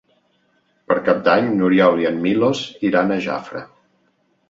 Per Cap d'Any n'Oriol i en Milos iran a Jafre.